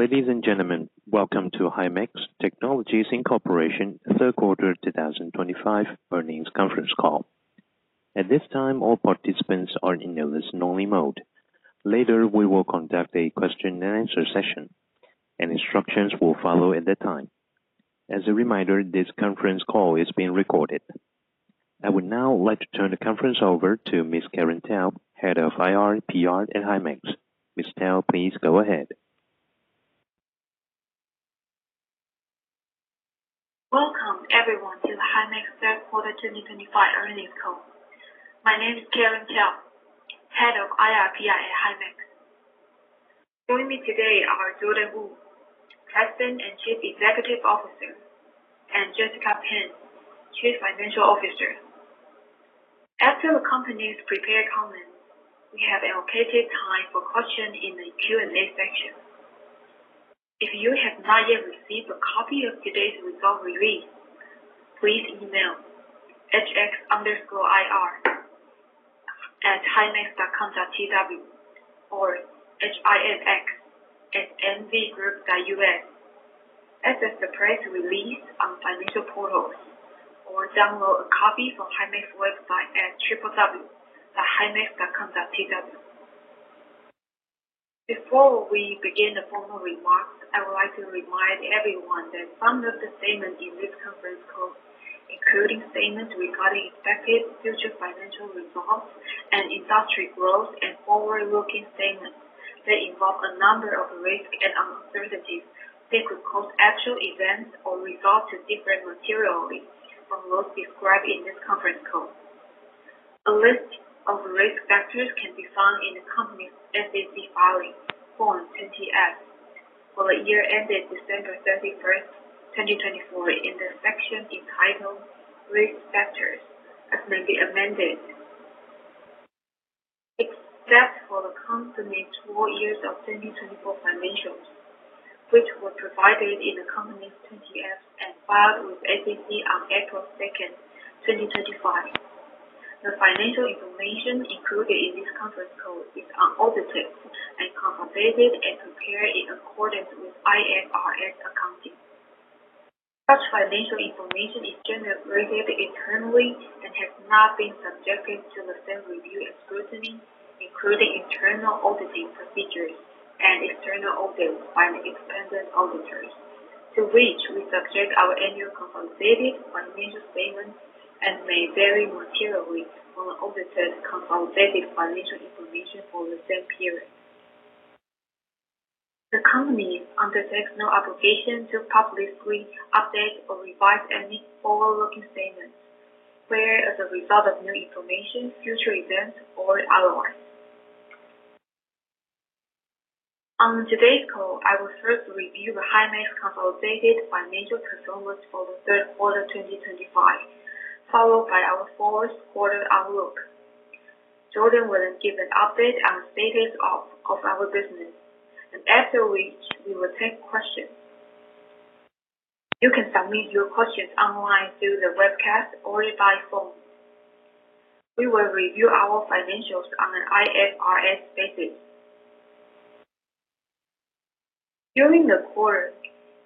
Hello, ladies and gentlemen. Welcome to Himax Technologies Incorporation third quarter 2025 earnings conference call. At this time, all participants are in a listen-only mode. Later, we will conduct a question-and-answer session, and instructions will follow at that time. As a reminder, this conference call is being recorded. I would now like to turn the conference over to Ms. Karen Tiao, Head of IR, PR at Himax. Ms. Tiao, please go ahead. Welcome, everyone, toHimax's third quarter 2025 earnings call. My name is Karen Tiao, Head of IR, PR at Himax. Joining me today are Jordan Wu, President and Chief Executive Officer, and Jessica Pan, Chief Financial Officer. After the company's prepared comments, we have allocated time for questions in the Q&A section. If you have not yet received a copy of today's result release, please email hx_ir@himax.com.tw or hix@nvgroup.us. Access the press release on financial portals or download a copy from Himax's website at www.himax.com.tw. Before we begin the formal remarks, I would like to remind everyone that some of the statements in this conference call, including statements regarding expected future financial results and industry growth, are forward-looking statements that involve a number of risks and uncertainties that could cause actual events or results to differ materially from those described in this conference call. A list of risk factors can be found in the company's SEC filing, Form 20-F, for the year ended December 31, 2024, in the section entitled Risk Factors as may be amended. Except for the company's full year 2024 financials, which were provided in the company's 20-F and filed with the SEC on April 2, 2025. The financial information included in this conference call is unaudited and consolidated and prepared in accordance with IFRS accounting. Such financial information is generated internally and has not been subjected to the same review and scrutiny, including internal auditing procedures and external audits by the independent auditors, to which we subject our annual consolidated financial statements and may vary materially from the audited consolidated financial information for the same period. The company undertakes no obligation to publicly update or revise any forward-looking statements as a result of new information, future events, or otherwise. On today's call, I will first review the Himax Technologies financial performance for the third quarter 2025, followed by our fourth quarter outlook. Jordan will then give an update on the status of our business, after which we will take questions. You can submit your questions online through the webcast or by phone. We will review our financials on an IFRS basis. During the quarter,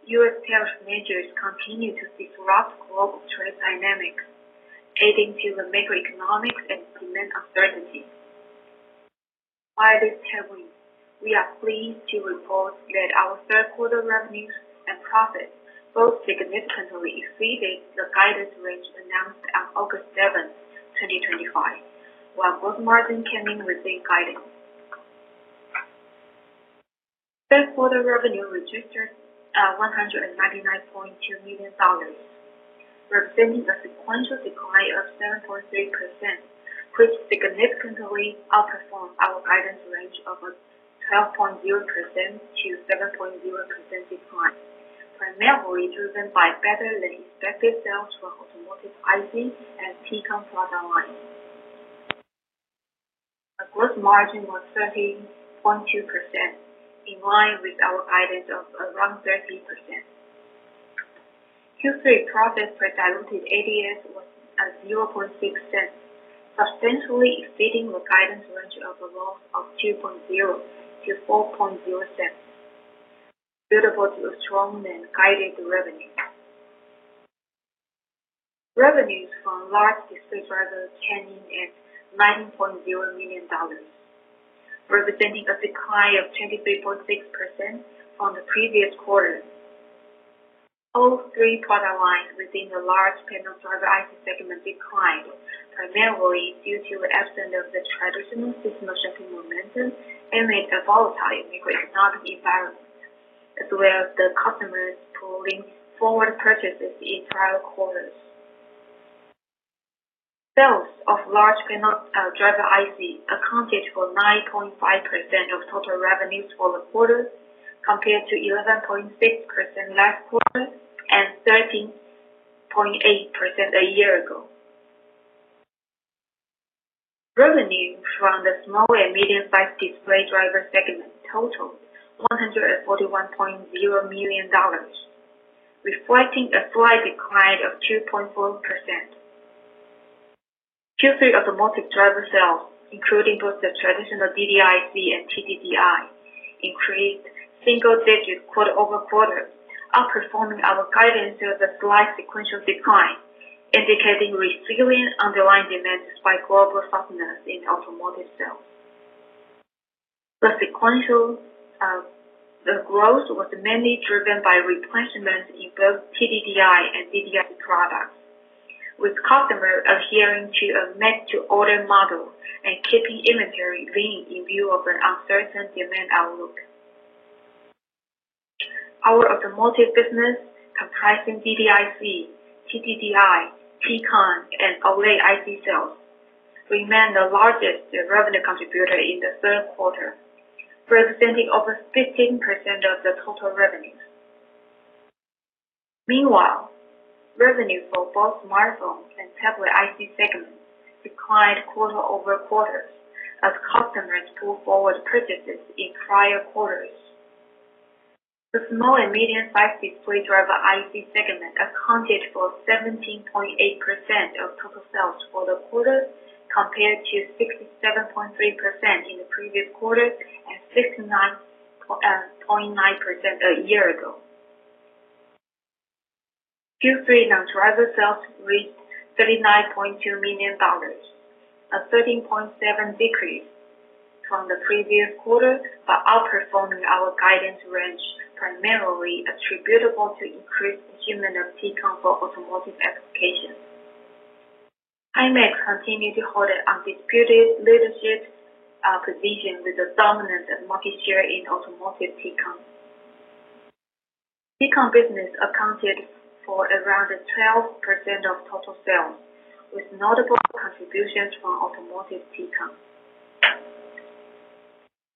U.S. tariff measures continue to disrupt global trade dynamics, adding to the macroeconomic and demand uncertainty. By this time, we are pleased to report that our third quarter revenues and profits both significantly exceeded the guidance range announced on August 7, 2025, while gross margin came in within guidance. Third quarter revenue registered $199.2 million, representing a sequential decline of 7.3%, which significantly outperformed our guidance range of 12.0%-7.0% decline, primarily driven by better-than-expected sales for automotive IC and T-CON product lines. Gross margin was 13.2%, in line with our guidance of around 13%. Q3 profits per diluted ADS was $0.006, substantially exceeding the guidance range of the loss of $0.02-$0.04. Attributable to strong and guided revenue. Revenues from large display driver came in at $19.0 million, representing a decline of 23.6% from the previous quarter. All three product lines within the large panel driver IC segment declined, primarily due to the absence of the traditional system of shipping momentum and a volatile macroeconomic environment, as well as customers pulling forward purchases in prior quarters. Sales of large panel driver IC accounted for 9.5% of total revenues for the quarter, compared to 11.6% last quarter and 13.8% a year ago. Revenue from the small and medium-sized display driver segment totaled $141.0 million, reflecting a slight decline of 2.4%. Q3 automotive driver sales, including both the traditional DDIC and TDDI, increased single-digit quarter-over-quarter, outperforming our guidance of a slight sequential decline, indicating resilient underlying demand despite global softness in automotive sales. The sequential growth was mainly driven by replenishments in both TDDI and DDIC products, with customers adhering to a make-to-order model and keeping inventory lean in view of an uncertain demand outlook. Our automotive business, comprising DDIC, TDDI, T-CON, and OLED IC sales, remained the largest revenue contributor in the third quarter, representing over 15% of the total revenues. Meanwhile, revenue for both smartphones and tablet IC segments declined quarter-over-quarter as customers pulled forward purchases in prior quarters. The small and medium-sized display driver IC segment accounted for 17.8% of total sales for the quarter, compared to 67.3% in the previous quarter and 69.9% a year ago. Q3 non-driver sales reached $39.2 million. A 13.7% decrease from the previous quarter, but outperforming our guidance range, primarily attributable to increased achievement of T-CON for automotive applications. Himax continued to hold an undisputed leadership position with a dominant market share in automotive T-CON. T-CON business accounted for around 12% of total sales, with notable contributions from automotive T-CON.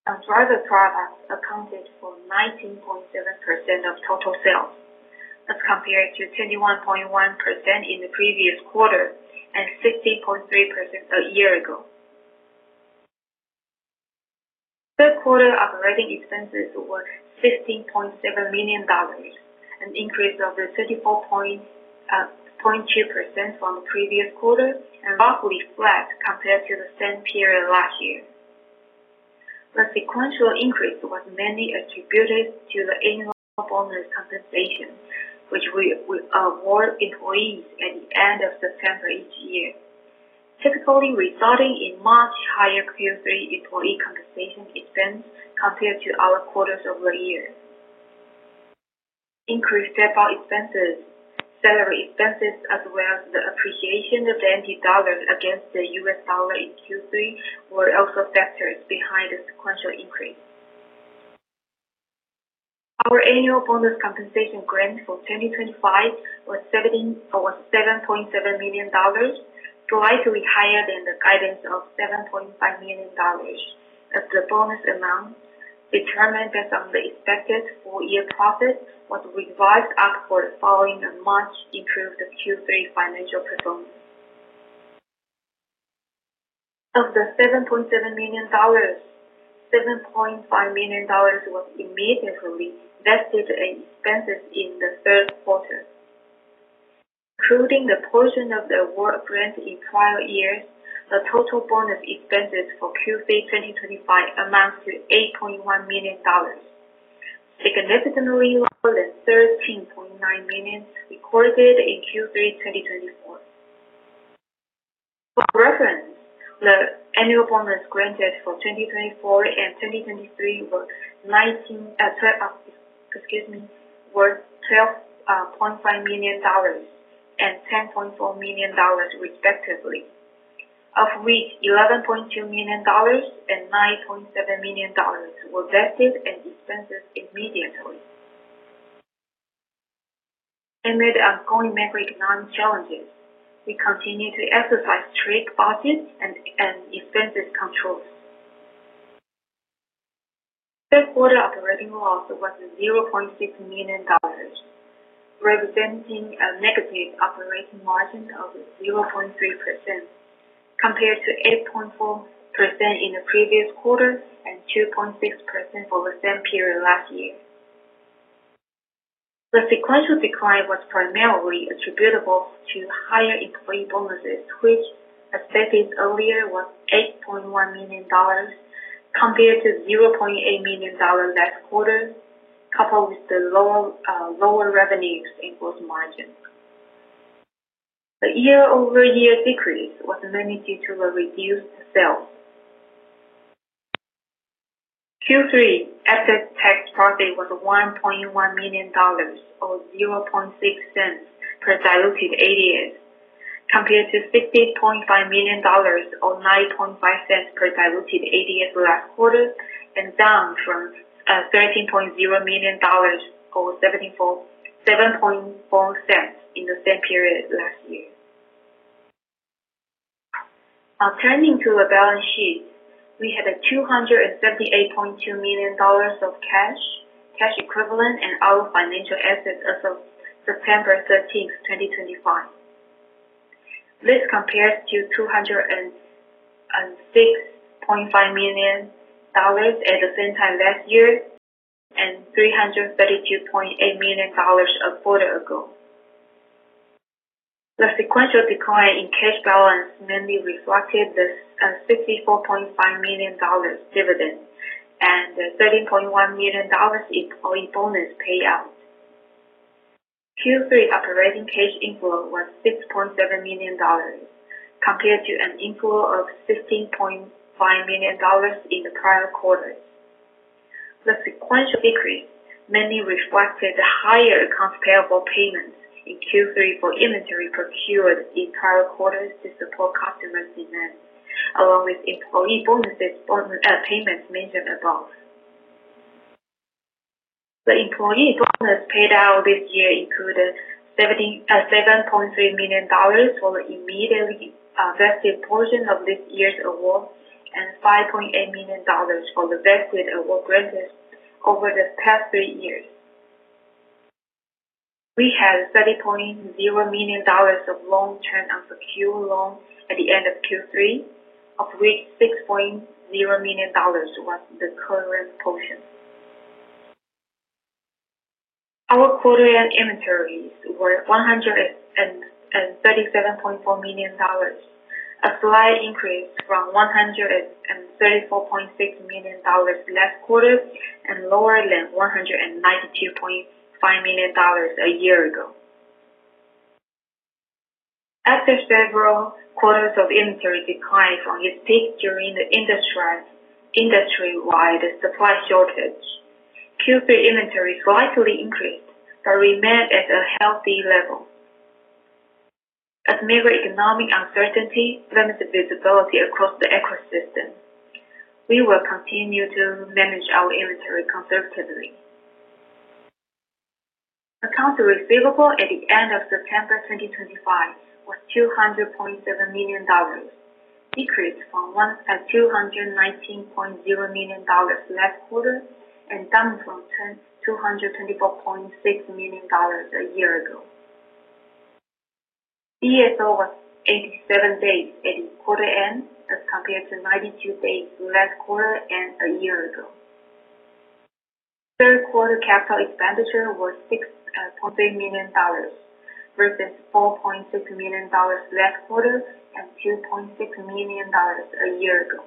Non-driver products accounted for 19.7% of total sales, as compared to 21.1% in the previous quarter and 16.3% a year ago. Third quarter operating expenses were $16.7 million, an increase of 34.2% from the previous quarter, and roughly flat compared to the same period last year. The sequential increase was mainly attributed to the annual bonus compensation, which we award employees at the end of September each year, typically resulting in much higher Q3 employee compensation expense compared to other quarters of the year. Increased PayPal expenses, salary expenses, as well as the appreciation of the NT dollar against the US dollar in Q3 were also factors behind the sequential increase. Our annual bonus compensation grant for 2025 was $7.7 million. Slightly higher than the guidance of $7.5 million. As the bonus amount determined based on the expected full-year profits, was revised up for the following months to improve the Q3 financial performance. Of the $7.7 million, $7.5 million was immediately vested in expenses in the third quarter. Including the portion of the award grant in prior years, the total bonus expenses for Q3 2025 amount to $8.1 million. Significantly lower than $13.9 million recorded in Q3 2024. For reference, the annual bonus granted for 2024 and 2023 was $12.5 million and $10.4 million, respectively. Of which $11.2 million and $9.7 million were vested and expenses immediately. Amid ongoing macroeconomic challenges, we continue to exercise strict budgets and expenses controls. Third quarter operating loss was $0.6 million, representing a negative operating margin of 0.3%, compared to 8.4% in the previous quarter and 2.6% for the same period last year. The sequential decline was primarily attributable to higher employee bonuses, which, as stated earlier, was $8.1 million compared to $0.8 million last quarter, coupled with the lower revenues and gross margin. The year-over-year decrease was mainly due to the reduced sales. Q3 asset tax profit was $1.1 million, or $0.6 per diluted ADS, compared to $16.5 million or $9.5 per diluted ADS last quarter, and down from $13.0 million or $7.4 in the same period last year. Turning to the balance sheet, we had $278.2 million of cash, cash equivalent, and other financial assets as of September 13th, 2025. This compares to $206.5 million. At the same time last year. And $332.8 million a quarter ago. The sequential decline in cash balance mainly reflected the $64.5 million dividend and the $13.1 million employee bonus payout. Q3 operating cash inflow was $6.7 million. Compared to an inflow of $16.5 million in the prior quarter. The sequential decrease mainly reflected the higher accounts payable payments in Q3 for inventory procured in prior quarters to support customers' demand, along with employee bonuses payments mentioned above. The employee bonus paid out this year included $7.3 million for the immediately vested portion of this year's award and $5.8 million for the vested award granted over the past three years. We had $30.0 million of long-term unprocured loans at the end of Q3, of which $6.0 million was the current portion. Our quarter-end inventories were $137.4 million. A slight increase from $134.6 million last quarter and lower than $192.5 million a year ago. After several quarters of inventory decline from its peak during the industry-wide supply shortage, Q3 inventory slightly increased but remained at a healthy level. As macroeconomic uncertainty limits visibility across the ecosystem, we will continue to manage our inventory conservatively. Accounts receivable at the end of September 2025 was $200.7 million, decreased from $219.0 million last quarter and down from $224.6 million a year ago. DSO was 87 days at the quarter end, as compared to 92 days last quarter and a year ago. Third quarter capital expenditure was $6.3 million, versus $4.6 million last quarter and $2.6 million a year ago.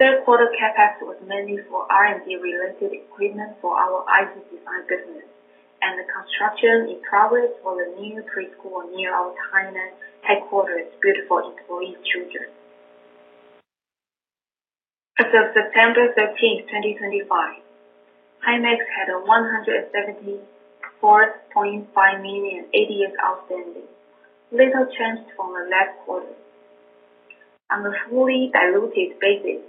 Third quarter CapEx was mainly for R&D-related equipment for our IC design business and the construction in progress for the new preschool near our Tainan headquarters, beautiful employee children. As of September 13th, 2025, Himax had $174.5 million ADS outstanding, little changed from the last quarter. On a fully diluted basis,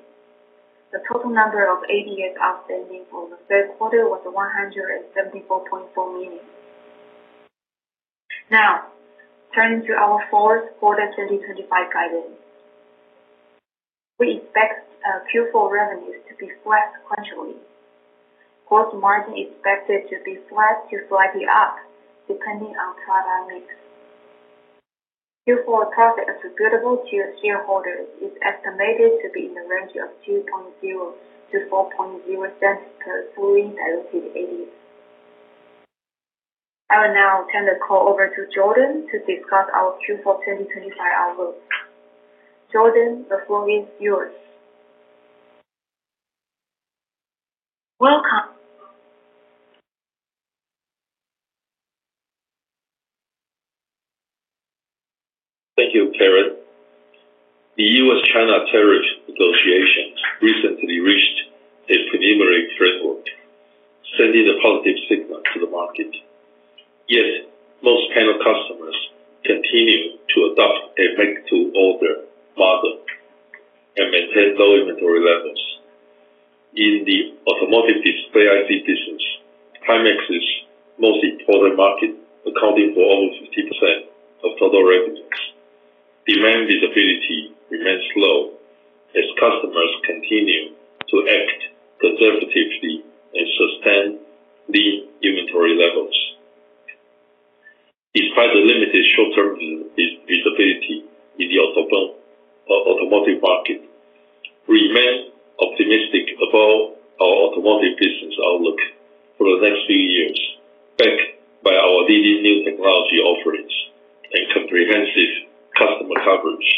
the total number of ADS outstanding for the third quarter was $174.4 million. Now, turning to our fourth quarter 2025 guidance. We expect Q4 revenues to be flat sequentially. Gross margin expected to be flat to slightly up, depending on product mix. Q4 profit attributable to shareholders is estimated to be in the range of $0.02-$0.04 per fully diluted ADS. I will now turn the call over to Jordan to discuss our Q4 2025 outlook. Jordan, the floor is yours. Welcome. Thank you, Karen. The U.S.-China tariff negotiations recently reached a preliminary framework, sending a positive signal to the market. Yet, most panel customers continue to adopt a make-to-order model and maintain low inventory levels. In the automotive display IC business, Himax is the most important market, accounting for over 50% of total revenues. Demand visibility remains low as customers continue to act conservatively and sustain lean inventory levels. Despite the limited short-term visibility in the automotive market, we remain optimistic about our automotive business outlook for the next few years, backed by our leading new technology offerings and comprehensive customer coverage.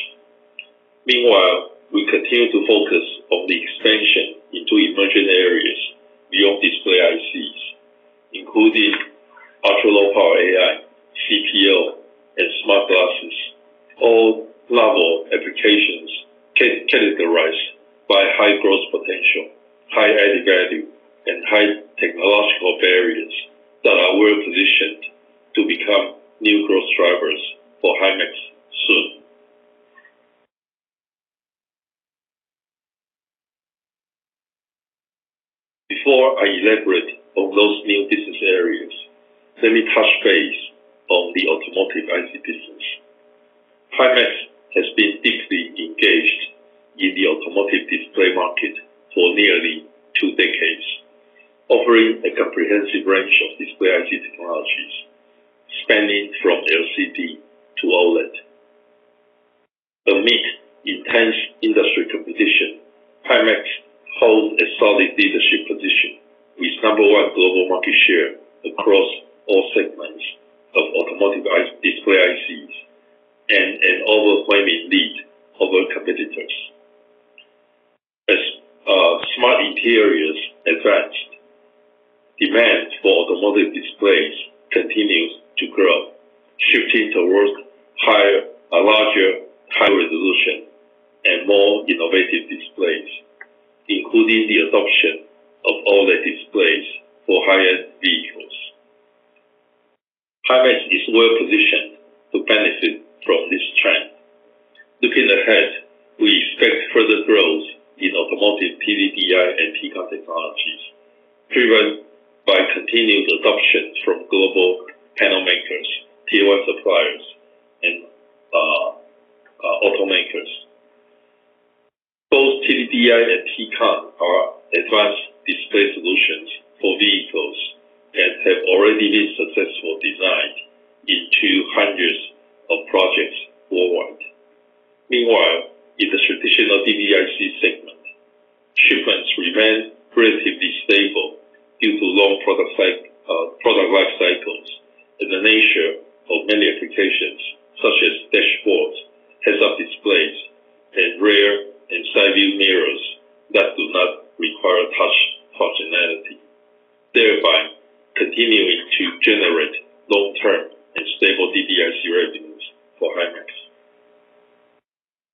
Meanwhile, we continue to focus on the expansion into emerging areas beyond display ICs, including ultra-low-power AI, CPO, and smart glasses. All level applications characterized by high growth potential, high added value, and high technological barriers that are well positioned to become new growth drivers for Himax soon. Before I elaborate on those new business areas, let me touch base on the automotive IC business. Himax has been deeply engaged in the automotive display market for nearly two decades, offering a comprehensive range of display IC technologies, spanning from LCD to OLED. Amid intense industry competition, Himax holds a solid leadership position with number one global market share across all segments of automotive display ICs and an overwhelming lead over competitors. As smart interiors advanced, demand for automotive displays continues to grow, shifting towards larger high-resolution and more innovative displays, including the adoption of OLED displays for high-end vehicles. Himax is well positioned to benefit from this trend. Looking ahead, we expect further growth in automotive PDDI and P-CON technologies, driven by continued adoption from global panel makers, Tier 1 suppliers, and automakers. Both PDDI and P-CON are advanced display solutions for vehicles that have already been successfully designed into hundreds of projects worldwide. Meanwhile, in the traditional DDIC segment, shipments remain relatively stable due to long product life cycles and the nature of many applications, such as dashboards, heads-up displays, and rear and side view mirrors that do not require touch functionality, thereby continuing to generate long-term and stable DDIC revenues for Himax.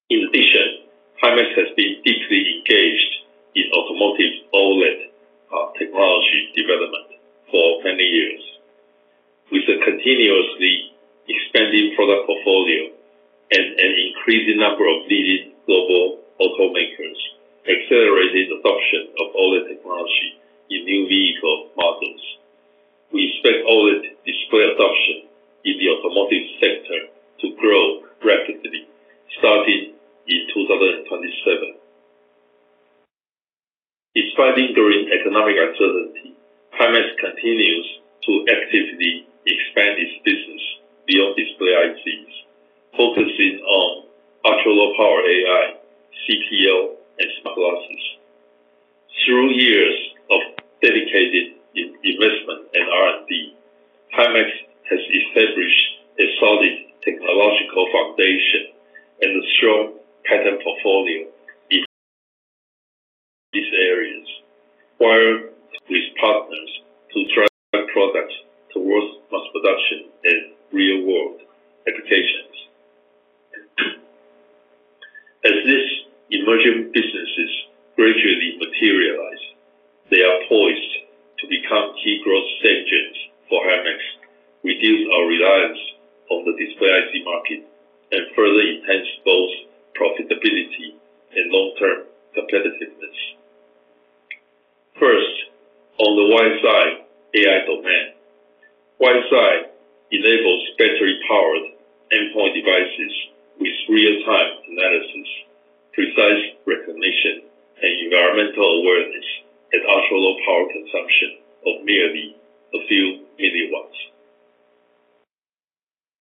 In addition, Himax has been deeply engaged in automotive OLED technology development for many years. With a continuously expanding product portfolio and an increasing number of leading global automakers accelerating adoption of OLED technology in new vehicle models, we expect OLED display adoption in the automotive sector to grow rapidly, starting in 2027. Despite lingering economic uncertainty, Himax continues to actively expand its business beyond display ICs, focusing on ultralow power AI, CPO, and smart glasses. Through years of dedicated investment and R&D, Himax has established a solid technological foundation and a strong patent portfolio in. These areas, wired with partners to drive products towards mass production and real-world applications. As these emerging businesses gradually materialize, they are poised to become key growth stage engines for Himax, reduce our reliance on the display IC market, and further enhance both profitability and long-term competitiveness. First, on the WiseEye AI domain, WiseEye enables battery-powered endpoint devices with real-time analysis, precise recognition, and environmental awareness at ultra-low power consumption of merely a few milliwatts.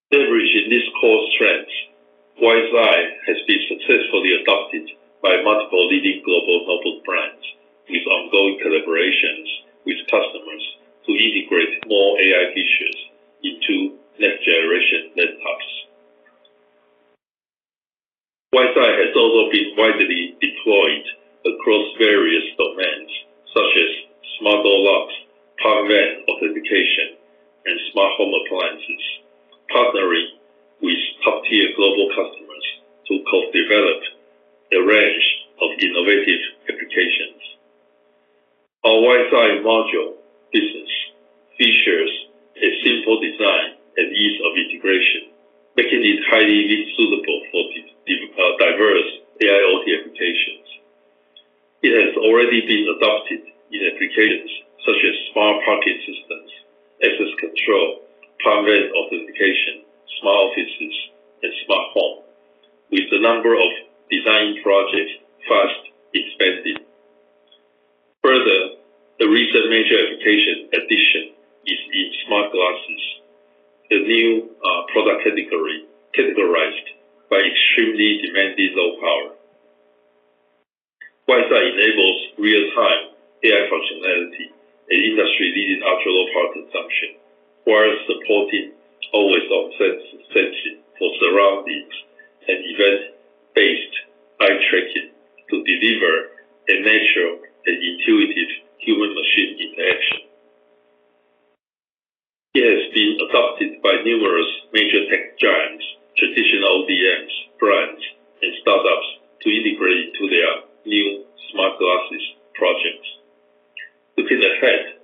Leveraging these core strengths, WiseEye has been successfully adopted by multiple leading global notebook brands, with ongoing collaborations with customers to integrate more AI features into next-generation laptops. WiseEye has also been widely deployed across various domains, such as smart door locks, power bank authentication, and smart home appliances, partnering with top-tier global customers to co-develop a range of innovative applications. Our Wi-Fi module business features a simple design and ease of integration, making it highly suitable for diverse AIoT applications. It has already been adopted in applications such as smart parking systems, access control, power bank authentication, smart offices, and smart home, with the number of design projects fast expanding. Further, the recent major application addition is in smart glasses, the new product category categorized by extremely demanding low power. Wi-Fi enables real-time AI functionality and industry-leading ultra-low power consumption, while supporting always-on sensing for surroundings and event-based eye tracking to deliver a natural and intuitive human-machine interaction. It has been adopted by numerous major tech giants, traditional OEMs, brands, and startups to integrate into their new smart glasses projects. Looking ahead,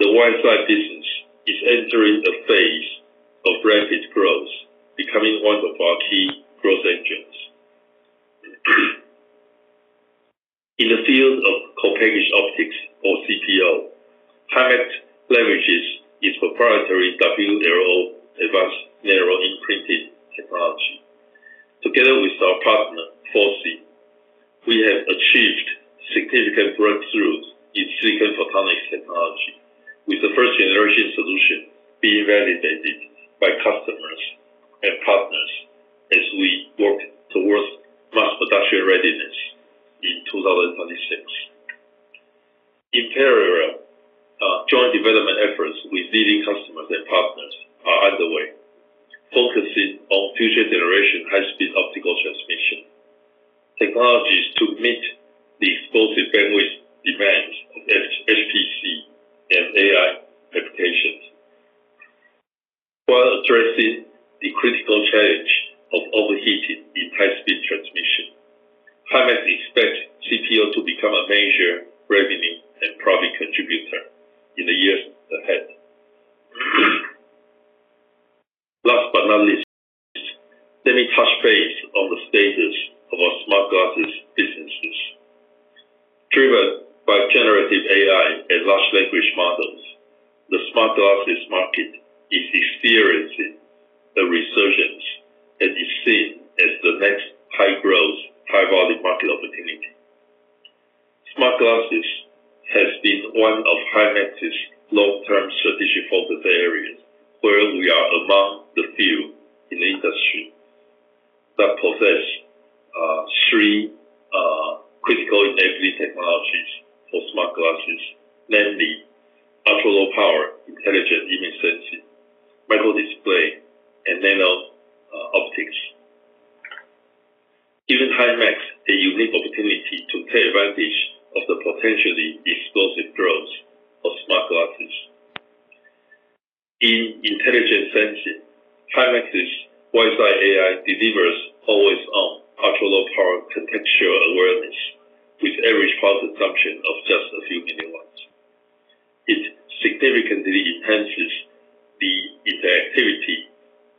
the Wi-Fi business is entering a phase of rapid growth, becoming one of our key growth engines. In the field of co-packaged optics, or CPO, Himax leverages its proprietary WLO advanced narrow-imprinted technology. Together with our partner, Forsley, we have achieved significant breakthroughs in silicon photonics technology, with the first-generation solution being validated by customers and partners as we work towards mass production readiness in 2026. In parallel, joint development efforts with leading customers and partners are underway, focusing on future-generation high-speed optical transmission technologies to meet the explosive bandwidth demands of HPC and AI applications. While addressing the critical challenge of overheating in high-speed transmission, Himax expects CPO to become a major revenue and profit contributor in the years ahead. Last but not least, let me touch base on the status of our smart glasses businesses. Driven by generative AI and large language models, the smart glasses market is experiencing a resurgence and is seen as the next high-growth, high-volume market opportunity. Smart glasses has been one of Himax's long-term strategic focus areas, where we are among the few in the industry that possess three critical enabling technologies for smart glasses, namely ultra-low-power intelligent image sensing, micro-display, and nano-optics. Giving Himax a unique opportunity to take advantage of the potentially explosive growth of smart glasses. In intelligent sensing, Himax's WiseEye AI delivers always-on ultra-low-power contextual awareness, with average power consumption of just a few milliwatts. It significantly enhances the interactivity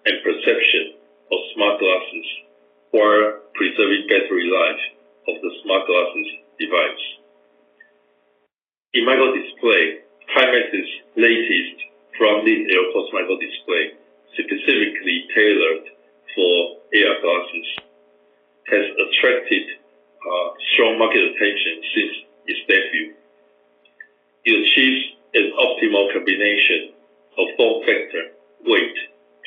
and perception of smart glasses, while preserving battery life of the smart glasses device. In micro-display, Himax's latest brand new FrontLED micro-display, specifically tailored for AR glasses, has attracted strong market attention since its debut. It achieves an optimal combination of form factor, weight,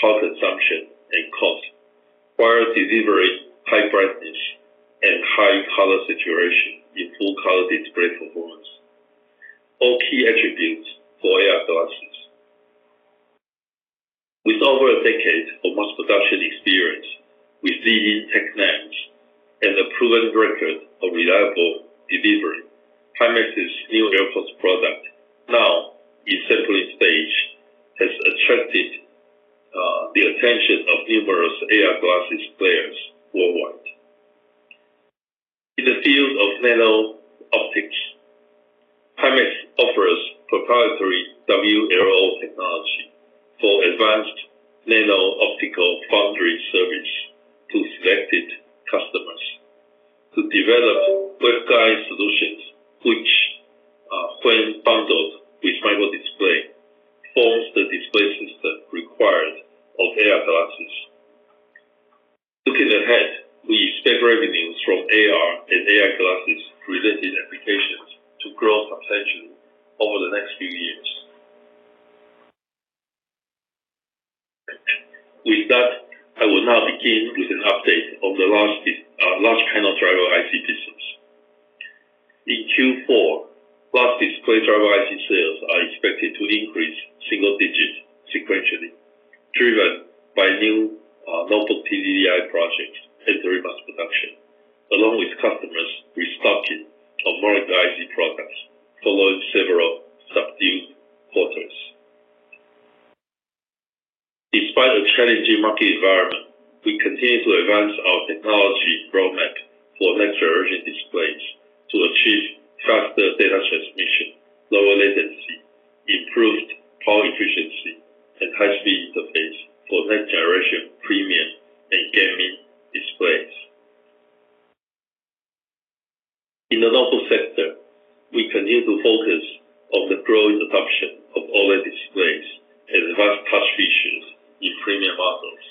power consumption, and cost, while delivering high brightness and high color saturation in full-color display performance. All key attributes for AR glasses. With over a decade of mass production experience with leading tech names and a proven record of reliable delivery, Himax's new Air Force product, now in sampling stage, has attracted the attention of numerous AR glasses players worldwide. In the field of nano-optics, Himax offers proprietary WLO technology for advanced nano-optical foundry service to selected customers to develop waveguide solutions, which, when bundled with micro-display, forms the display system required of AR glasses. Looking ahead, we expect revenues from AR and AR glasses-related applications to grow substantially over the next few years. With that, I will now begin with an update on the last panel driver IC business. In Q4, last display driver IC sales are expected to increase single-digit sequentially, driven by new notebook PDDI projects entering mass production, along with customers restocking on more IC products following several subdued quarters. Despite a challenging market environment, we continue to advance our technology roadmap for next-generation displays to achieve faster data transmission, lower latency, improved power efficiency, and high-speed interface for next-generation premium and gaming displays. In the notebook sector, we continue to focus on the growing adoption of OLED displays and advanced touch features in premium models,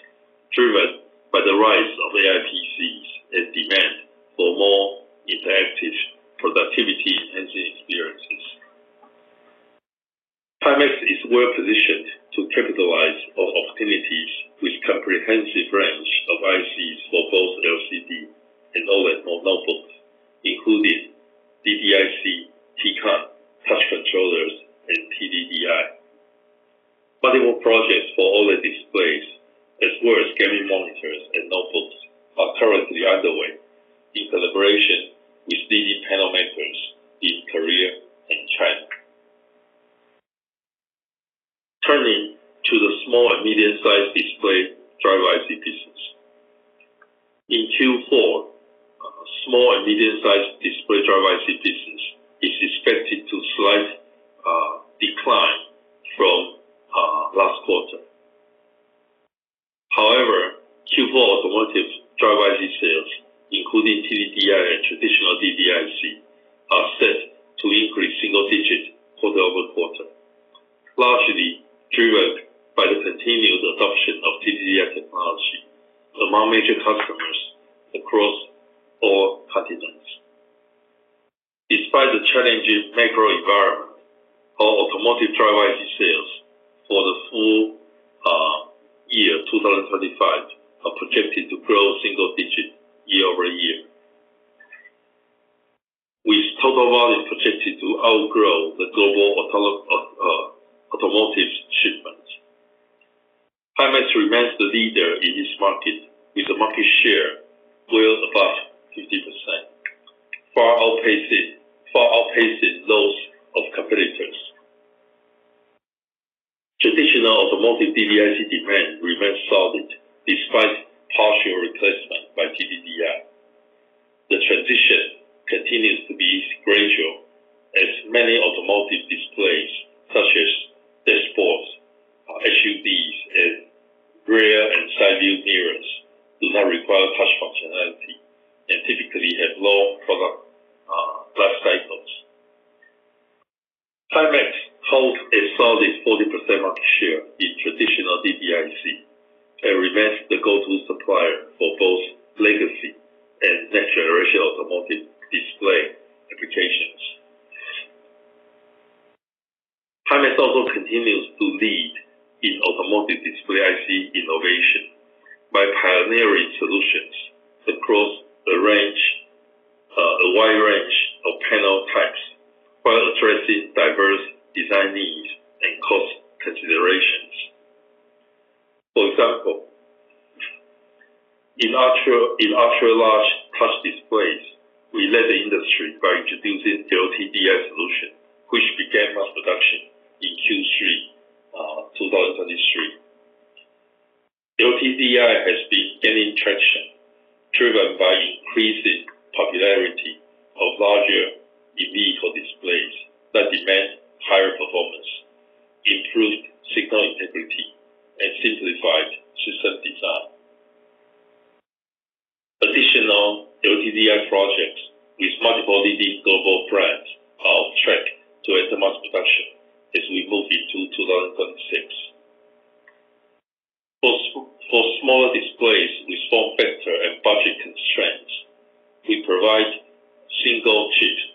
driven by the rise of AI PCs and demand for more interactive productivity engine experiences. Himax is well positioned to capitalize on opportunities with a comprehensive range of ICs for both LCD and OLED notebooks, including DDIC, P-CON, touch controllers, and PDDI. Multiple projects for OLED displays, as well as gaming monitors and notebooks, are currently underway in collaboration with leading panel makers in Korea and China. Turning to the small and medium-sized display driver IC business. In Q4, small and medium-sized display driver IC business is expected to slightly decline from last quarter. However, Q4 automotive driver IC sales, including PDDI and traditional DDIC, are set to increase single-digit for the quarter, largely driven by the continued adoption of PDDI technology among major customers across all continents. Despite the challenging macro environment, our automotive driver IC sales for the full year 2025 are projected to grow single-digit year over year. With total volume projected to outgrow the global automotive shipments, Himax remains the leader in this market, with a market share well above 50%, far outpacing those of competitors. Traditional automotive DDIC demand remains solid despite partial replacement by PDDI. The transition continues to be gradual as many automotive displays, such as dashboards, SUVs, and rear and side view mirrors, do not require touch functionality and typically have long product life cycles. Himax holds a solid 40% market share in traditional DDIC and remains the go-to supplier for both legacy and next-generation automotive display applications. Himax also continues to lead in automotive display IC innovation by pioneering solutions across a wide range of panel types, while addressing diverse design needs and cost considerations. For example, in ultra-large touch displays, we led the industry by introducing LTDI solutions, which began mass production in Q3 2023. LTDI has been gaining traction, driven by increasing popularity of larger in-vehicle displays that demand higher performance, improved signal integrity, and simplified system design. Additional LTDI projects with multiple leading global brands are on track to enter mass production as we move into 2026. For smaller displays with form factor and budget constraints, we provide single-chip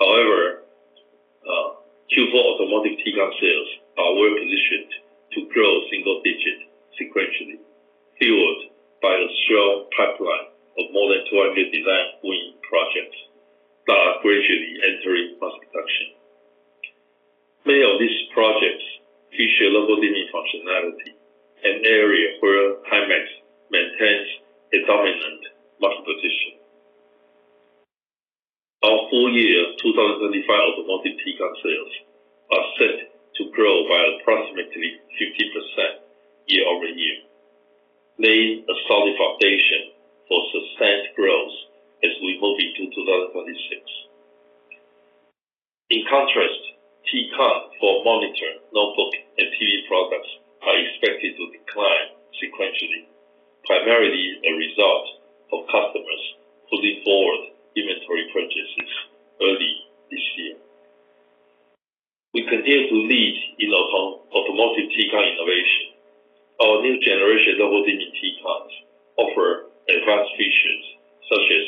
However, Q4 automotive P-CON sales are well positioned to grow single-digit sequentially, fueled by a strong pipeline of more than 200 design-winning projects that are gradually entering mass production. Many of these projects feature local dimming functionality, an area where Himax maintains a dominant market position. Our full-year 2025 automotive P-CON sales are set to grow by approximately 50% year over year, laying a solid foundation for substantial growth as we move into 2026. In contrast, P-CON for monitor, notebook, and TV products are expected to decline sequentially, primarily a result of customers pulling forward inventory purchases early this year. We continue to lead in automotive P-CON innovation. Our new generation local dimming P-CONs offer advanced features such as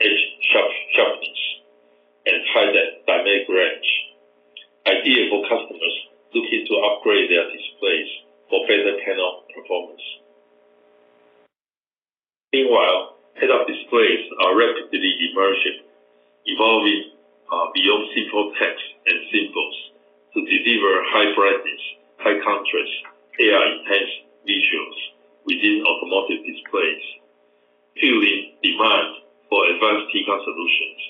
edge sharpness and high dynamic range, ideal for customers looking to upgrade their displays for better panel performance. Meanwhile, head-up displays are rapidly emerging, evolving beyond simple text and symbols to deliver high brightness, high contrast, AI-intense visuals within automotive displays, fueling demand for advanced P-CON solutions.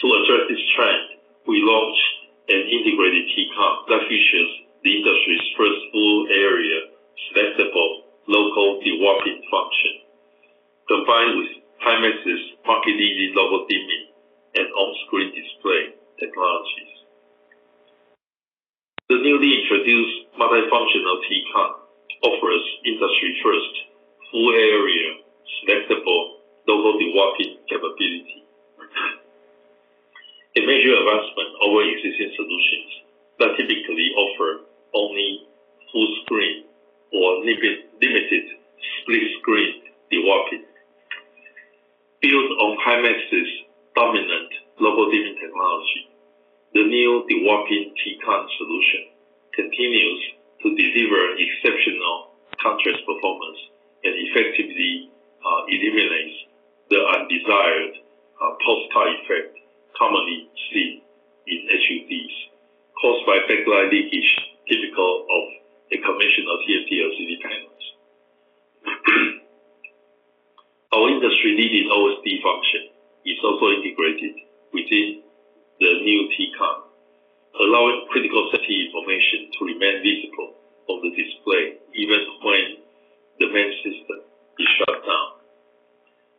To address this trend, we launched an integrated P-CON that features the industry's first full area selectable local dewarping function, combined with Himax's market-leading local dimming and on-screen display technologies. The newly introduced multifunctional P-CON offers industry-first full area selectable local dewarping capability, a major advancement over existing solutions that typically offer only full screen or limited split-screen dewarping. Built on Himax's dominant local dimming technology, the new dewarping P-CON solution continues to deliver exceptional contrast performance and effectively eliminates the undesired pulse-type effect commonly seen in LCDs caused by backlight leakage typical of conventional TFT LCD panels. Our industry-leading OSD function is also integrated within the new P-CON, allowing critical safety information to remain visible on the display even when the main system is shut down,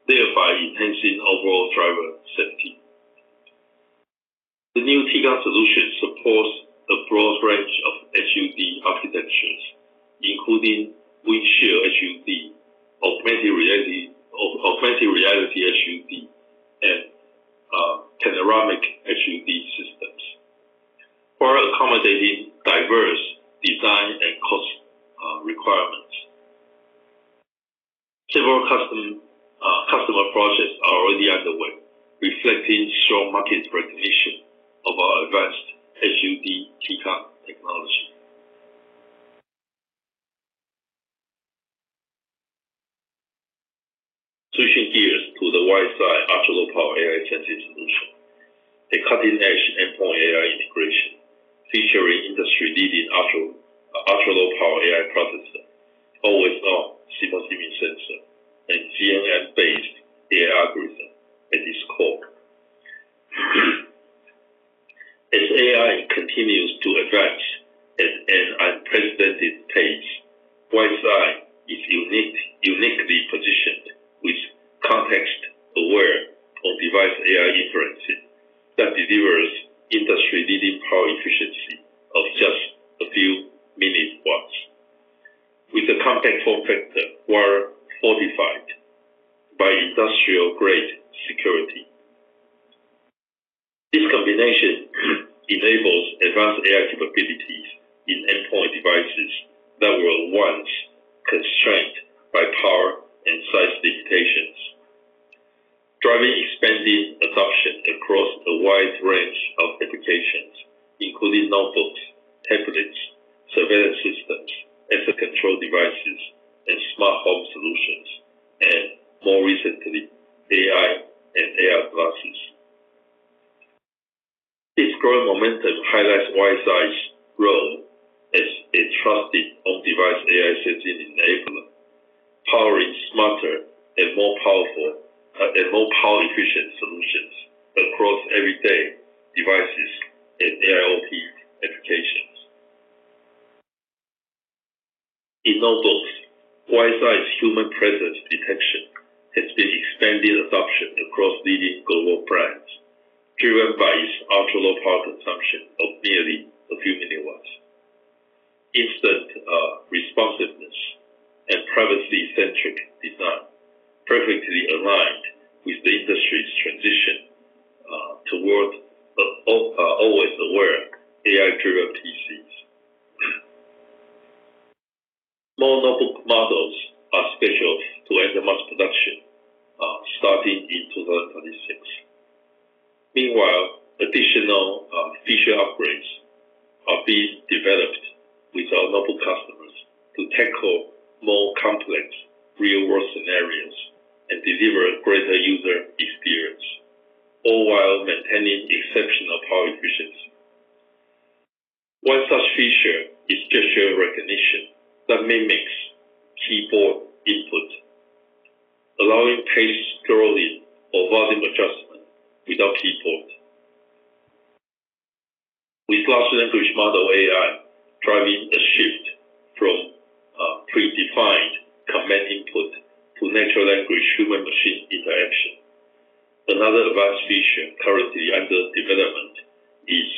thereby enhancing overall driver safety. The new P-CON solution supports a broad range of LCD architectures, including windshield LCD, augmented reality LCD, and panoramic LCD systems, while accommodating diverse design and cost requirements. Several customer projects are already underway, reflecting strong market recognition of our advanced LCD P-CON technology. Switching gears to the WiseEye ultra-low-power AI sensing solution, a cutting-edge endpoint AI integration featuring industry-leading ultra-low-power AI processor, always-on simple dimming sensor, and CNN-based AI algorithm at its core. As AI continues to advance at an unprecedented pace, WiseEye is uniquely positioned with context-aware on-device AI inferencing that delivers industry-leading power efficiency of just a few millivolts. With a compact form factor, while fortified by industrial-grade security. This combination enables advanced AI capabilities in endpoint devices that were once constrained by power and size limitations. Driving expanding adoption across a wide range of applications, including notebooks, tablets, surveillance systems, asset control devices, and smart home solutions, and more recently, AI and AR glasses. This growing momentum highlights WiseEye's role as a trusted on-device AI sensing enabler, powering smarter and more powerful and more power-efficient solutions across everyday devices and AIoT applications. In notebooks, WiseEye's human presence detection has been expanding adoption across leading global brands, driven by its ultra low power consumption of nearly a few millivolts. Instant responsiveness and privacy-centric design perfectly aligned with the industry's transition toward always aware AI-driven PCs. Small notebook models are scheduled to enter mass production starting in 2026. Meanwhile, additional feature upgrades are being developed with our notebook customers to tackle more complex real-world scenarios and deliver a greater user experience, all while maintaining exceptional power efficiency. One such feature is gesture recognition that mimics keyboard input, allowing pace scrolling or volume adjustment without keyboard. With large language model AI driving a shift from predefined command input to natural language human-machine interaction. Another advanced feature currently under development is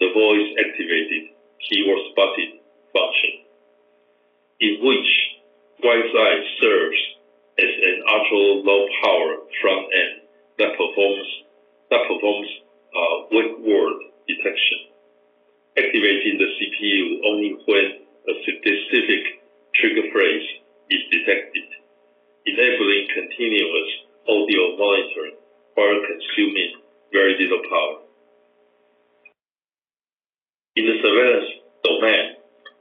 the voice-activated keyboard spotting function, in which WiseEye serves as an ultra low power front end that performs. Wake word detection, activating the CPU only when a specific trigger phrase is detected, enabling continuous audio monitoring while consuming very little power. In the surveillance domain,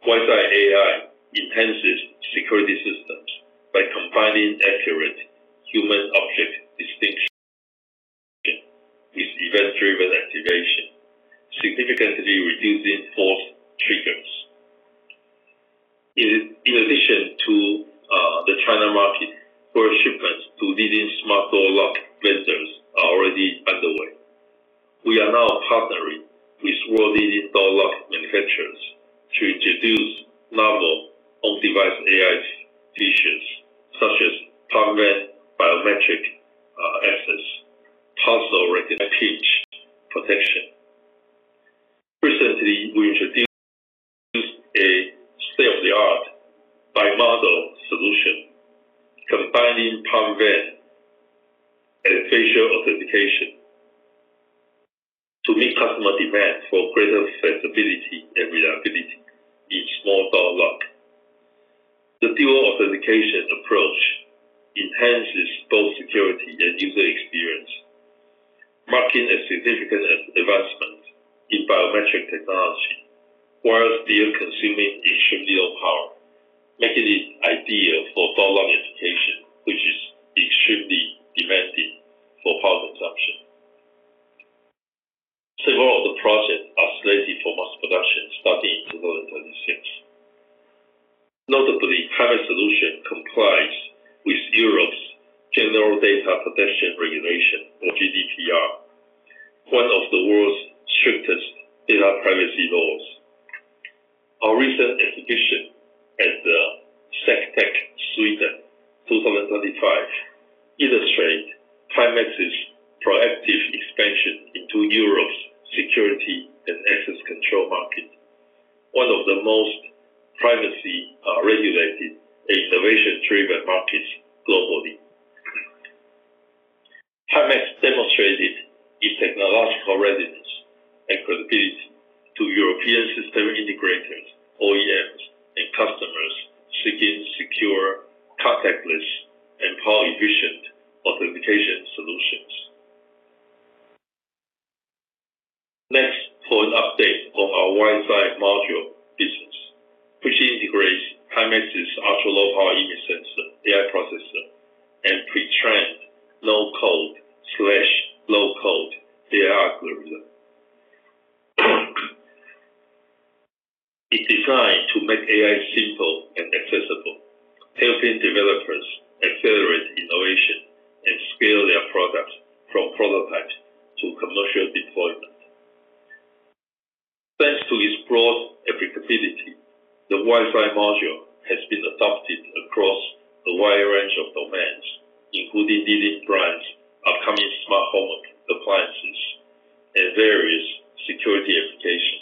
WiseEye AI enhances security systems by combining accurate human-object distinction. With event-driven activation, significantly reducing false triggers. In addition to the China market, further shipments to leading smart door lock vendors are already underway. We are now partnering with world-leading door lock manufacturers to introduce novel on-device AI features such as PalmVein biometric access, pulse-regarding IP protection. Recently, we introduced a state-of-the-art bi-modal solution, combining PalmVein and facial authentication to meet customer demand for greater flexibility and reliability in small door lock. The dual authentication approach enhances both security and user experience, marking a significant advancement in biometric technology, while still consuming extremely low power, making it ideal for door lock application, which is extremely demanding for power consumption. Several of the projects are slated for mass production starting in 2026. Notably, Himax's solution complies with Europe's GDPR, one of the world's strictest data privacy laws. Our recent exhibition at the SECTEC Sweden 2025 illustrates Himax's proactive expansion into Europe's security and access control market, one of the most privacy-regulated and innovation-driven markets globally. Himax demonstrated its technological readiness and credibility to European system integrators, OEMs, and customers seeking secure, contactless, and power-efficient authentication solutions. Next, for an update on our WiseEye module business, which integrates Himax's ultralow power image sensor AI processor and pre-trained no-code/low-code AI algorithm. It's designed to make AI simple and accessible, helping developers accelerate innovation and scale their products from prototype to commercial deployment. Thanks to its broad applicability, the WiseEye module has been adopted across a wide range of domains, including leading brands, upcoming smart home appliances, and various security applications.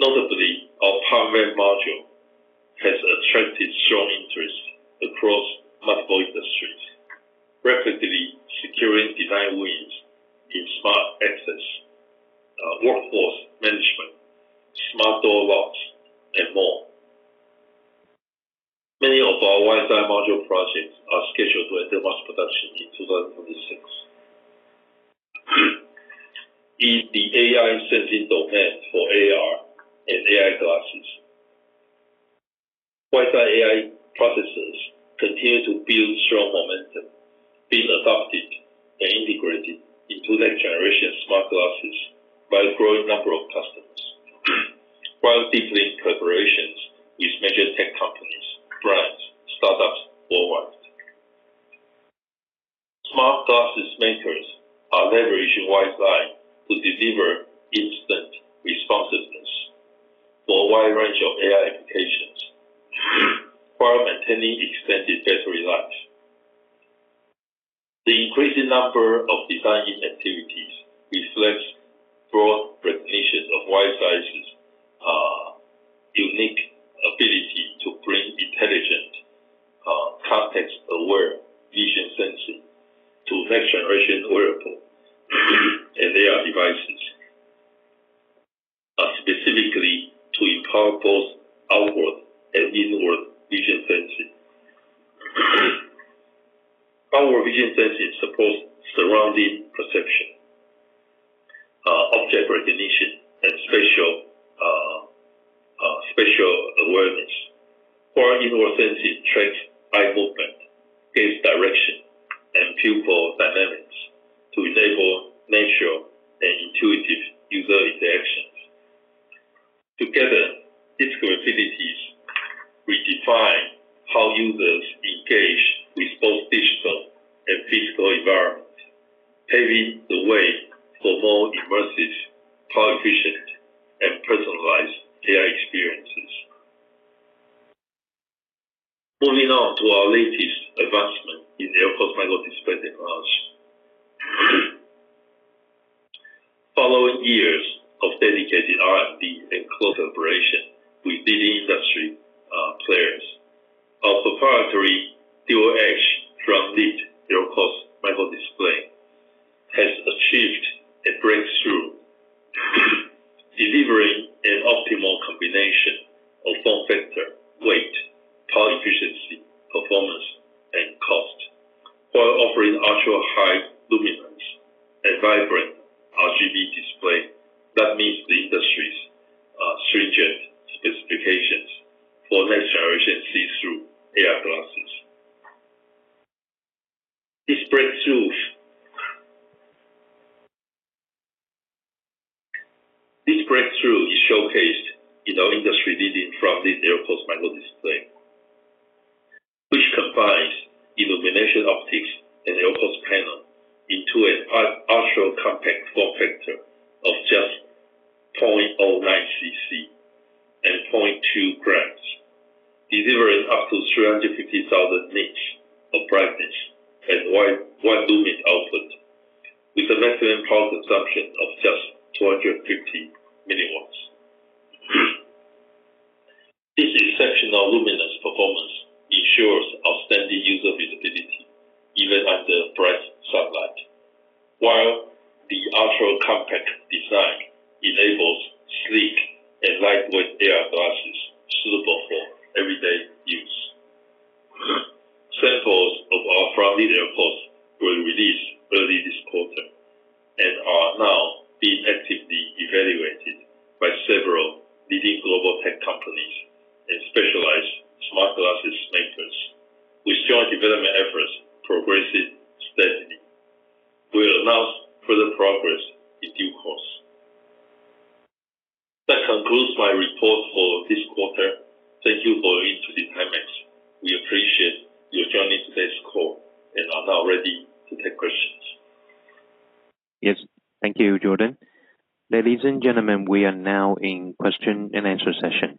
Notably, our PalmVein module has attracted strong interest across multiple industries, rapidly securing design wins in smart access, workforce management, smart door locks, and more. Many of our WiseEye module projects are scheduled to enter mass production in 2026. In the AI sensing domain for AR and AI glasses, WiseEye AI processors continue to build strong momentum, being adopted and integrated into next-generation smart glasses by a growing number of customers, while deepening collaborations with major tech companies, brands, and startups worldwide. Smart glasses makers are leveraging WiseEye to deliver instant responsiveness for a wide range of AI applications while maintaining extended battery life. The increasing number of design inventories reflects broad recognition of WiseEye's unique ability to bring intelligent. Context-aware vision sensing to next-generation wearable and AR devices. Specifically to empower both outward and inward vision sensing. Our vision sensing supports surrounding perception, object recognition, and spatial awareness. While inward sensing tracks eye movement, gaze direction, and pupil dynamics to enable natural and intuitive user interactions. Together, its capabilities redefine how users engage with both digital and physical environments, paving the way for more immersive, power-efficient, and personalized AI experiences. Moving on to our latest advancement in the ultra smart display technology. Following years of dedicated R&D and collaboration with leading industry players, our proprietary DuoEdge FrontLED micro-display has achieved a breakthrough, delivering an optimal combination of form factor, weight, power efficiency, performance, and cost. While offering ultra high luminance and vibrant RGB display that meets the industry's stringent specifications for next-generation see-through AR glasses. This breakthrough. Is showcased in our industry-leading FrontLED micro-display, which combines illumination optics and micro-display panel into an ultra-compact form factor of just 0.09 cc and 0.2 grams, delivering up to 350,000 nits of brightness and wide lumen output with a maximum power consumption of just 250 milliwatts. This exceptional luminance performance ensures outstanding user visibility even under bright sunlight, while the ultra-compact design enables sleek and lightweight AR glasses suitable for everyday use. Samples of our FrontLED micro-display were released early this quarter and are now being actively evaluated by several leading global tech companies and specialized smart glasses makers. With joint development efforts progressing steadily, we will announce further progress in due course. That concludes my report for this quarter. Thank you for your input into Himax. We appreciate your joining today's call and are now ready to take questions. Yes. Thank you, Jordan. Ladies and gentlemen, we are now in question and answer session.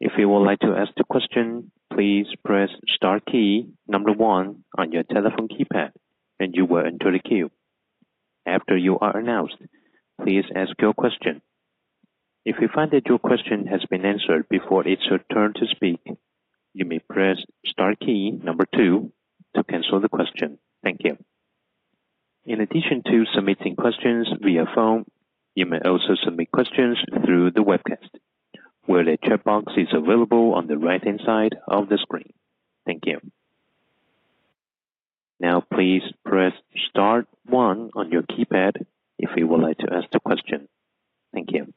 If you would like to ask the question, please press star key number one on your telephone keypad, and you will enter the queue. After you are announced, please ask your question. If you find that your question has been answered before it's your turn to speak, you may press star key number two to cancel the question. Thank you. In addition to submitting questions via phone, you may also submit questions through the webcast, where the chat box is available on the right-hand side of the screen. Thank you. Now, please press star one on your keypad if you would like to ask the question. Thank you.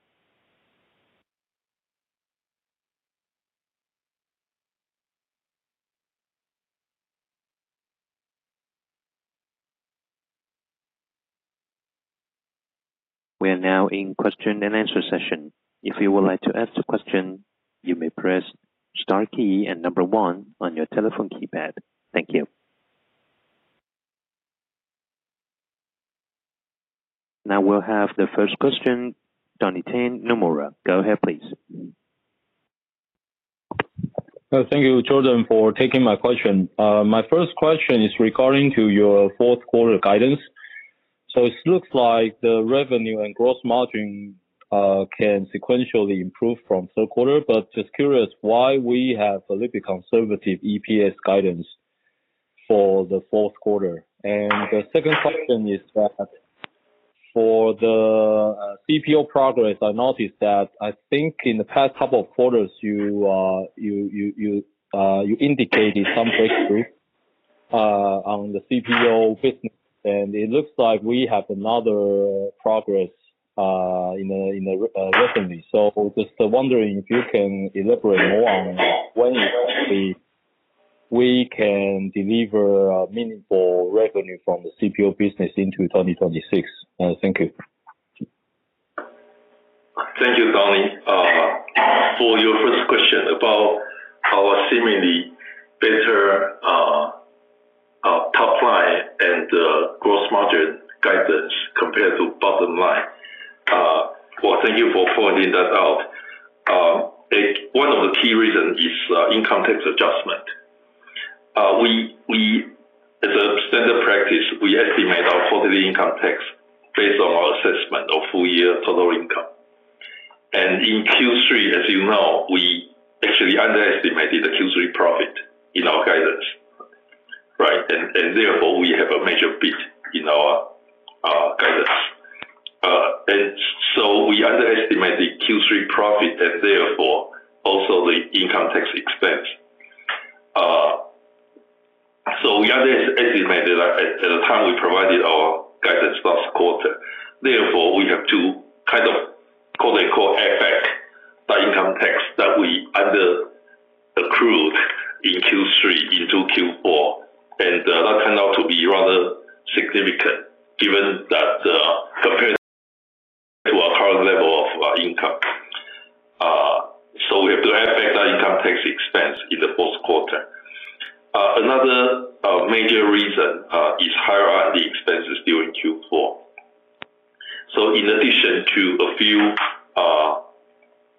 We are now in question and answer session. If you would like to ask the question, you may press star key and number one on your telephone keypad. Thank you. Now we'll have the first question, Doni Nomura. Go ahead, please. Thank you, Jordan, for taking my question. My first question is regarding your fourth quarter guidance. It looks like the revenue and gross margin can sequentially improve from third quarter, but just curious why we have a little bit conservative EPS guidance for the fourth quarter. The second question is that for the CPO progress, I noticed that I think in the past couple of quarters, you indicated some breakthrough on the CPO business, and it looks like we have another progress recently. Just wondering if you can elaborate more on when exactly we can deliver meaningful revenue from the CPO business into 2026. Thank you. Thank you, Doni, for your first question about our seemingly better top line and gross margin guidance compared to bottom line. Thank you for pointing that out. One of the key reasons is income tax adjustment. As a standard practice, we estimate our quarterly income tax based on our assessment of full-year total income. In Q3, as you know, we actually underestimated the Q3 profit in our guidance, right? Therefore, we have a major beat in our guidance. We underestimated Q3 profit and therefore also the income tax expense. We underestimated at the time we provided our guidance last quarter. Therefore, we have to kind of call it, call FX, that income tax that we under-accrued in Q3 into Q4. That turned out to be rather significant given that, compared to our current level of income. We have to affect that income tax expense in the fourth quarter. Another major reason is higher R&D expenses during Q4. In addition to a few.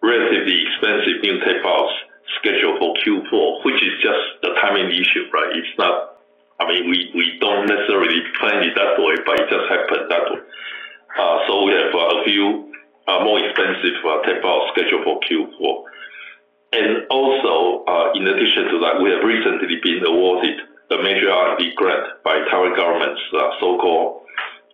Relatively expensive new tech files scheduled for Q4, which is just a timing issue, right? It's not, I mean, we don't necessarily plan it that way, but it just happened that way. We have a few more expensive tech files scheduled for Q4. In addition to that, we have recently been awarded a major R&D grant by the Taiwan government's so-called,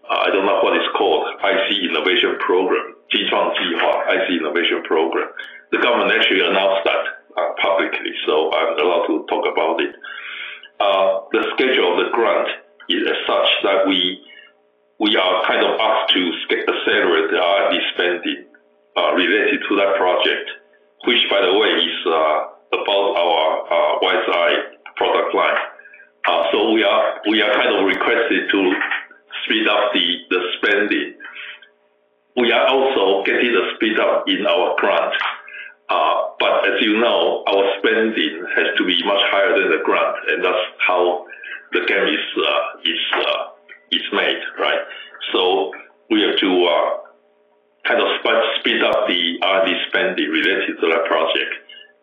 I don't know what it's called, IC Innovation Program, Jichuang Jihua IC Innovation Program. The government actually announced that publicly, so I'm allowed to talk about it. The schedule of the grant is such that we are kind of asked to accelerate the R&D spending related to that project, which, by the way, is about our WiseEye product line. We are kind of requested to speed up the spending. We are also getting the speed up in our grant. As you know, our spending has to be much higher than the grant, and that is how the game is made, right? We have to kind of speed up the R&D spending related to that project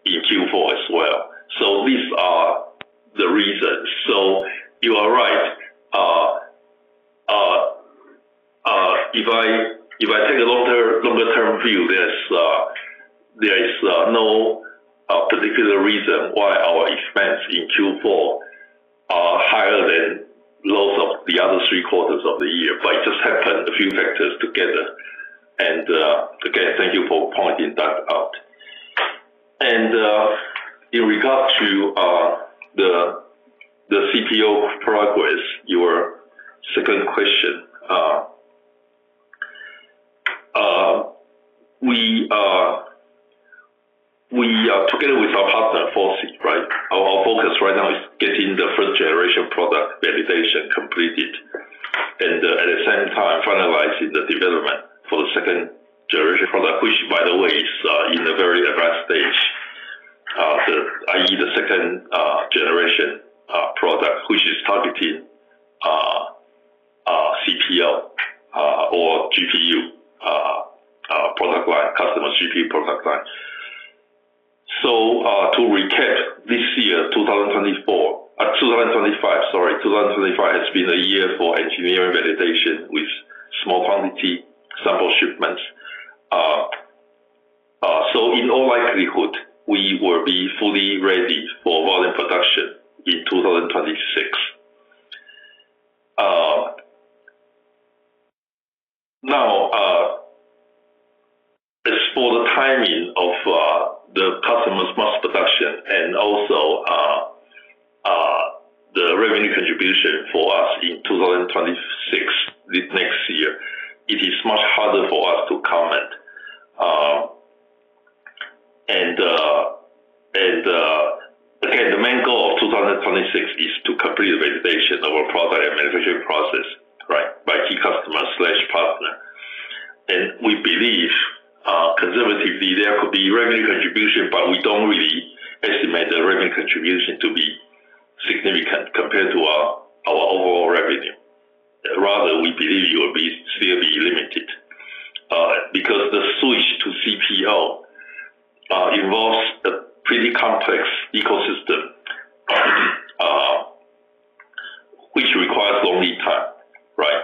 in Q4 as well. These are the reasons. You are right. If I take a longer-term view, there is no particular reason why our expense in Q4 is higher than those of the other three quarters of the year, but it just happened, a few factors together. Again, thank you for pointing that out. In regard to the CPO progress, your second question, we are together with our partner, Forsy, right? Our focus right now is getting the first-generation product validation completed and at the same time finalizing the development for the second-generation product, which, by the way, is in a very advanced stage. I.e., the second-generation product, which is targeting CPO or GPU product line, customer GPU product line. To recap, this year, 2024, 2025, sorry, 2025 has been a year for engineering validation with small quantity sample shipments. In all likelihood, we will be fully ready for volume production in 2026. Now, as for the timing of the customer's mass production and also the revenue contribution for us in 2026, next year, it is much harder for us to comment. Again, the main goal of 2026 is to complete the validation of our product and manufacturing process, right, by key customers/partners. We believe, conservatively, there could be revenue contribution, but we do not really estimate the revenue contribution to be significant compared to our overall revenue. Rather, we believe it will still be limited because the switch to CPO involves a pretty complex ecosystem. Which requires long lead time, right?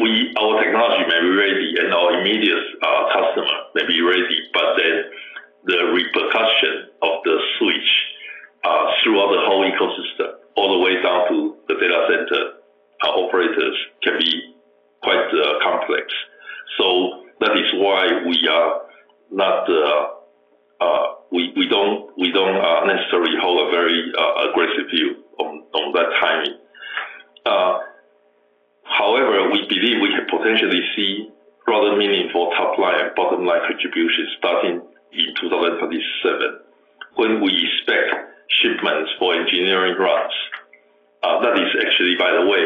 Our technology may be ready and our immediate customer may be ready, but then the repercussion of the switch throughout the whole ecosystem, all the way down to the data center operators, can be quite complex. That is why we are not. We do not necessarily hold a very aggressive view on that timing. However, we believe we can potentially see rather meaningful top line and bottom line contributions starting in 2027 when we expect shipments for engineering runs. That is actually, by the way,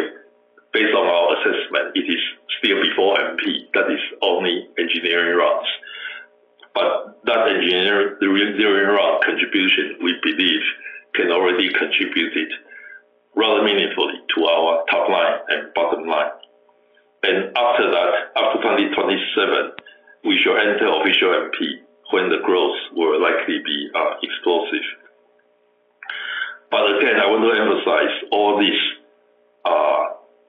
based on our assessment, it is still before MP. That is only engineering runs. That engineering run contribution, we believe, can already contribute rather meaningfully to our top line and bottom line. After that, after 2027, we shall enter official MP when the growth will likely be explosive. Again, I want to emphasize all this,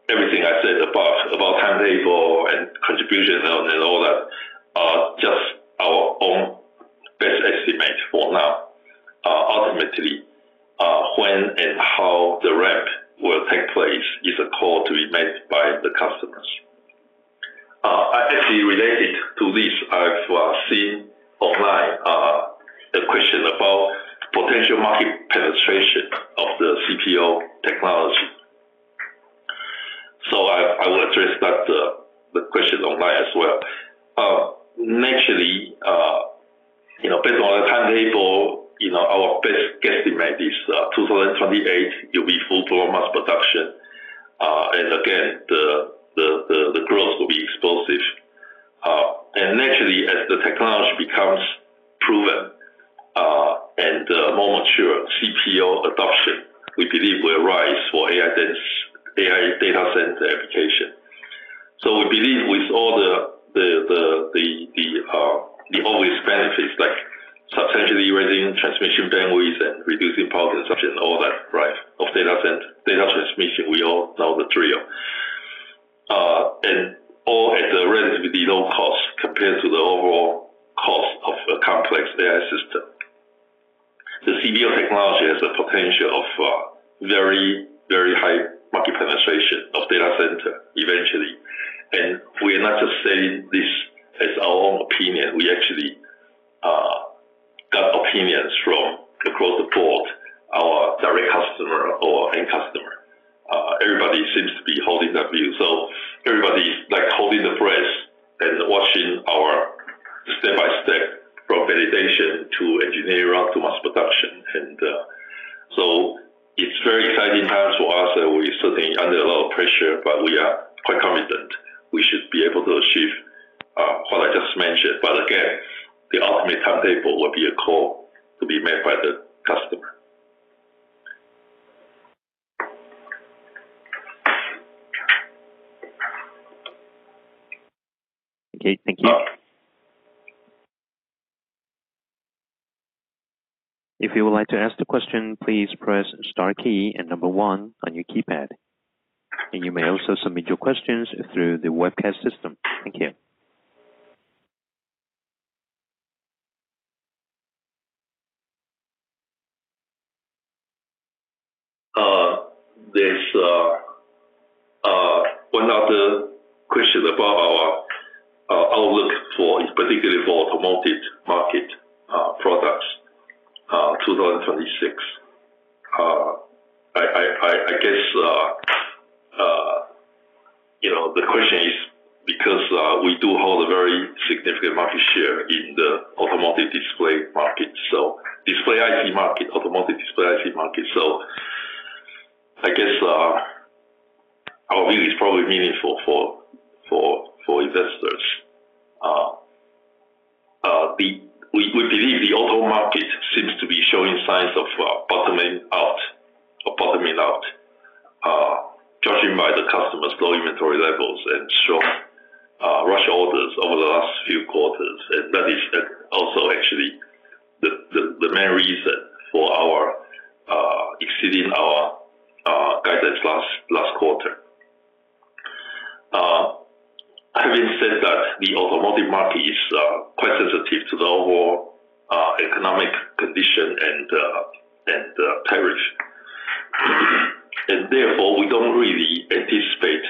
everything I said above about timetable and contribution and all that. Just our own best estimate for now. Ultimately, when and how the ramp will take place is a call to be made by the customers. Actually, related to this, I've seen online a question about potential market penetration of the CPO technology. I will address that question online as well. Naturally, based on the timetable, our best guesstimate is 2028. It will be full-blown mass production. Again, the growth will be explosive. Naturally, as the technology becomes proven and more mature, CPO adoption, we believe, will rise for AI data center application. We believe with all the obvious benefits, like substantially raising transmission bandwidth and reducing power consumption, all that, right, of data transmission, we all know the drill. All at a relatively low cost compared to the overall cost of a complex AI system. The CPO technology has the potential of very, very high market penetration of data center eventually. We are not just saying this as our own opinion. We actually got opinions from across the board, our direct customer or end customer. Everybody seems to be holding that view. Everybody's holding the breath and watching our step-by-step from validation to engineering run to mass production. It is a very exciting time for us. We are certainly under a lot of pressure, but we are quite confident we should be able to achieve what I just mentioned. Again, the ultimate timetable will be a call to be made by the customer. Thank you. If you would like to ask the question, please press star key and number one on your keypad. You may also submit your questions through the webcast system. Thank you. There is one other question about our outlook, particularly for automotive market products in 2026. I guess the question is because we do hold a very significant market share in the automotive display market, so display IC market, automotive display IC market. I guess our view is probably meaningful for investors. We believe the auto market seems to be showing signs of bottoming out, judging by the customers' low inventory levels and strong rush orders over the last few quarters. That is also actually the main reason for exceeding our guidance last quarter. Having said that, the automotive market is quite sensitive to the overall economic condition and tariffs, and therefore, we do not really anticipate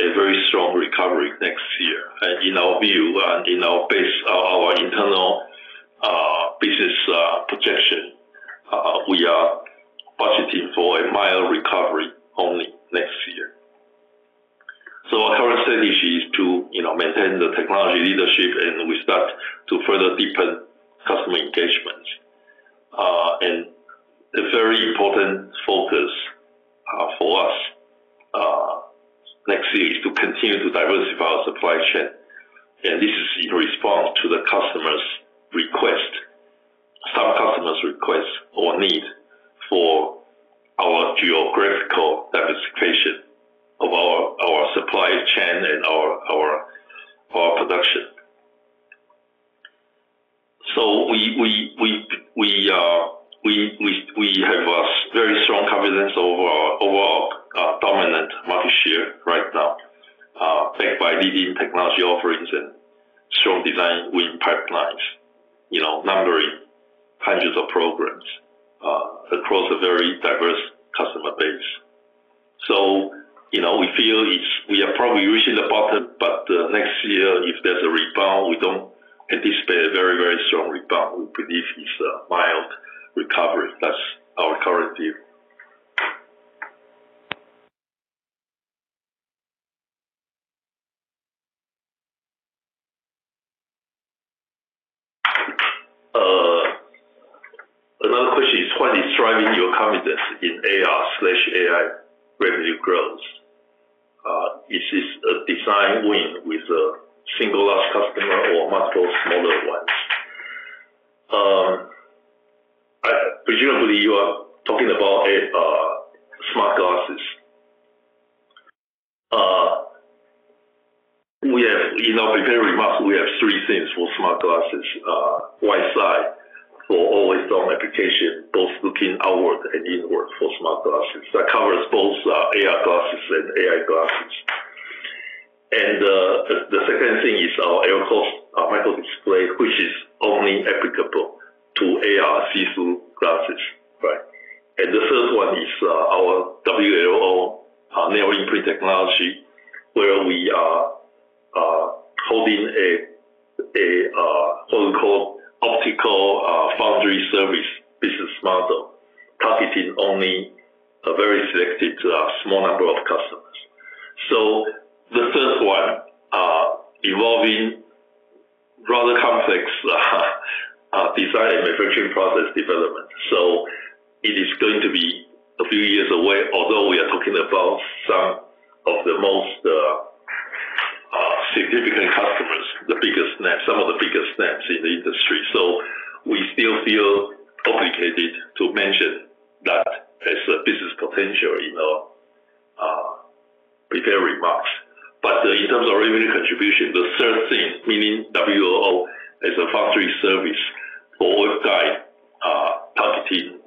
a very strong recovery next year. In our view, and based on our internal business projection. We are budgeting for a mild recovery only next year. Our current strategy is to maintain the technology leadership, and we start to further deepen customer engagement. A very important focus for us next year is to continue to diversify our supply chain. This is in response to the customer's request, some customer's request or need for our geographical diversification of our supply chain and our production. We have very strong confidence over our overall dominant market share right now, backed by leading technology offerings and strong design win pipelines numbering hundreds of programs across a very diverse customer base. We feel we are probably reaching the bottom, but next year, if there's a rebound, we do not anticipate a very, very strong rebound. We believe it is a mild recovery. That is our current view. Another question is, what is driving your confidence in AR/AI revenue growth? Is this a design win with a single last customer or multiple smaller ones? Presumably, you are talking about smart glasses. In our prepared remarks, we have three things for smart glasses: WiseEye for always-on application, both looking outward and inward for smart glasses. That covers both AR glasses and AI glasses. The second thing is our ARCOS micro-display, which is only applicable to AR/CSU glasses, right? The third one is our WLO neuroimprint technology, where we are holding a quote-unquote "optical foundry service" business model, targeting only a very selected small number of customers. The third one involves a rather complex design and manufacturing process development. It is going to be a few years away, although we are talking about some of the most significant customers, some of the biggest names in the industry. We still feel obligated to mention that as a business potential in our prepared remarks. In terms of revenue contribution, the third thing, meaning WLO as a foundry service for WorkGuide, targeting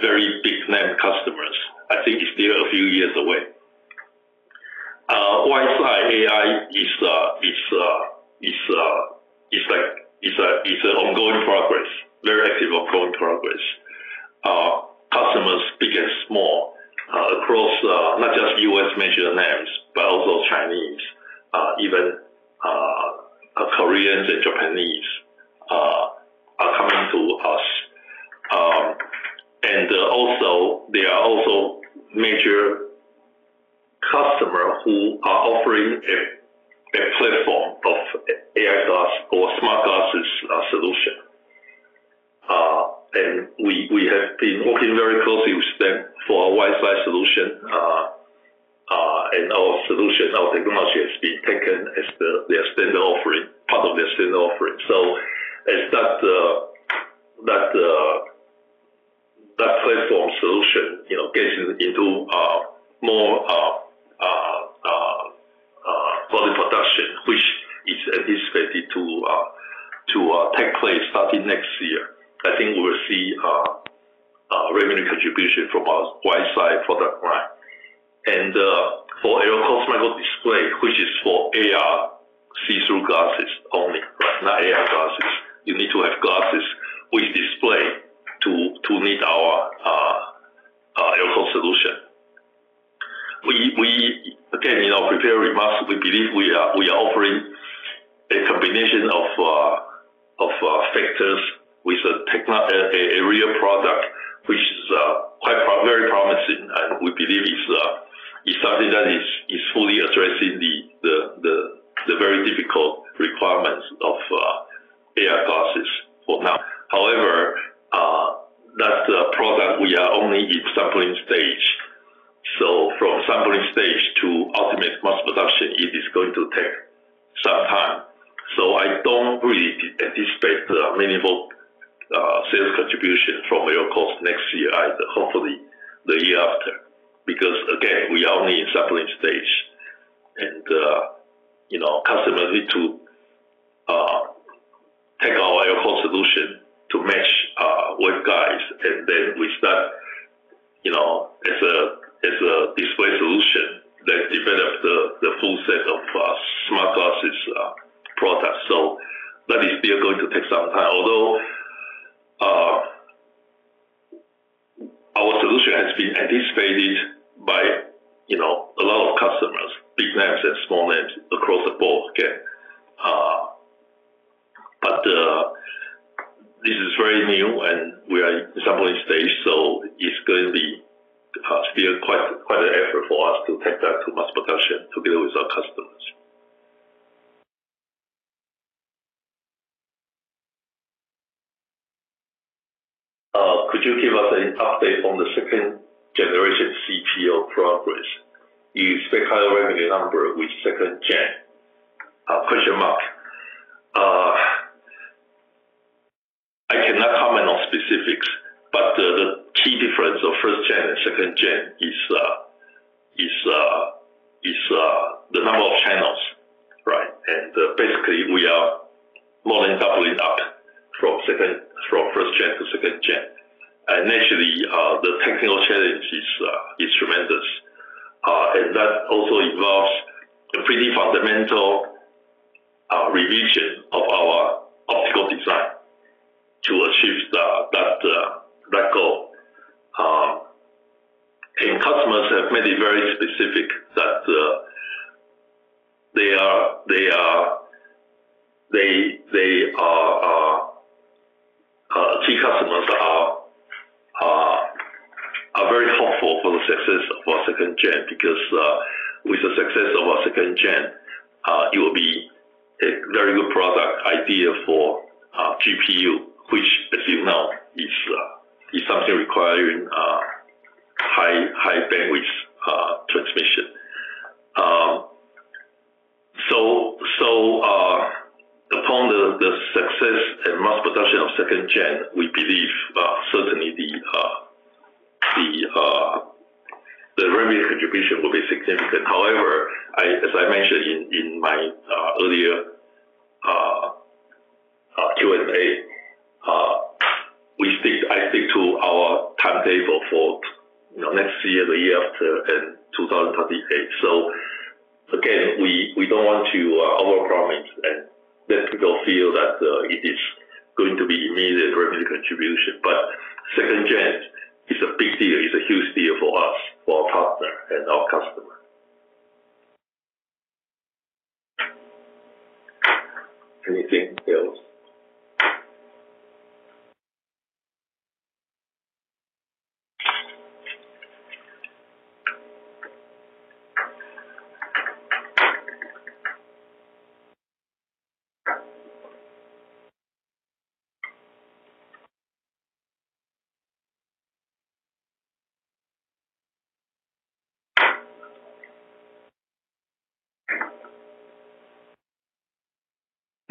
very big-name customers, I think it is still a few years away. WiseEye AI is an ongoing progress, very active ongoing progress. Customers become small across not just US major names, but also Chinese, even Koreans, and Japanese are coming to us. They are also major customers who are offering a platform of AR glass or smart glasses solution. We have been working very closely with them for our WiseEye solution. Our solution, our technology, has been taken as part of their standard offering. As that platform solution gets into more quality production, which is anticipated to take place starting next year, I think we will see. Revenue contribution from our WiseEye product line. For ARCOS micro-display, which is for AR/CSU glasses only, right? Not AR glasses. You need to have glasses with display to meet our ARCOS solution. Again, in our prepared remarks, we believe we are offering a combination of factors with a real product, which is very promising. We believe it is something that is fully addressing the very difficult requirements of AR glasses for now. However, that product, we are only in sampling stage. From sampling stage to ultimate mass production, it is going to take some time. I do not really anticipate meaningful sales contribution from ARCOS next year, either, hopefully the year after. Because, again, we are only in sampling stage. Customers need to take our ARCOS solution to match WorkGuide, and then we start as a display solution that develops the full set of smart glasses products. That is still going to take some time. Although our solution has been anticipated by a lot of customers, big names and small names across the board, again, this is very new, and we are in sampling stage. It is going to be still quite an effort for us to take that to mass production together with our customers. Could you give us an update on the second-generation CPO progress? You expect higher revenue number with second-gen? I cannot comment on specifics, but the key difference of first-gen and second-gen is the number of channels, right? Basically, we are more than doubling up from first-gen to second-gen. Naturally, the technical challenge is tremendous, and that also involves a pretty fundamental revision of our optical design to achieve that goal. Customers have made it very specific that they are key customers. Very hopeful for the success of our second-gen because with the success of our second-gen, it will be a very good product idea for GPU, which, as you know, is something requiring high bandwidth transmission. Upon the success and mass production of second-gen, we believe certainly the revenue contribution will be significant. However, as I mentioned in my earlier Q&A, I speak to our timetable for next year, the year after, and 2028. Again, we do not want to overpromise and let people feel that it is going to be immediate revenue contribution. Second-gen is a big deal. It is a huge deal for us, for our partner, and our customer. Anything else?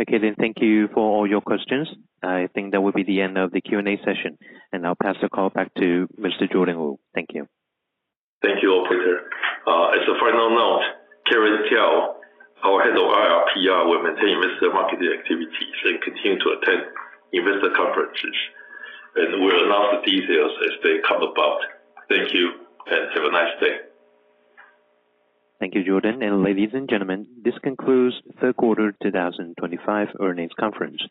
Okay. Thank you for all your questions. I think that will be the end of the Q&A session. I will pass the call back to Mr. Jordan Wu. Thank you. Thank you all, Peter. As a final note, Karen Tiao, our Head of IR, PR, will maintain investor marketing activities and continue to attend investor conferences. We will announce the details as they come about. Thank you, and have a nice day. Thank you, Jordan. Ladies and gentlemen, this concludes third quarter 2025 earnings conference.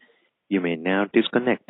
You may now disconnect.